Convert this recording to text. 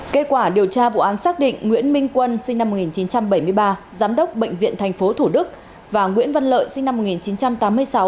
kết quả điều tra vụ án xác định nguyễn minh quân sinh năm một nghìn chín trăm bảy mươi ba giám đốc bệnh viện tp thủ đức và nguyễn văn lợi sinh năm một nghìn chín trăm tám mươi sáu